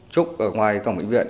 trúc ở ngoài cổng bệnh viện